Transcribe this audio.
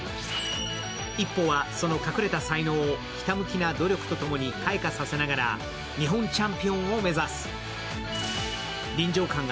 一歩はその隠れた才能をひたむきな努力とともに開花させながら日本チャンピオンを目指す。